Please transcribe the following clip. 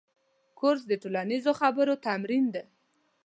کورس د ټولنیزو خبرو تمرین دی.